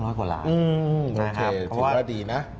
โอเคถือว่าดีนะ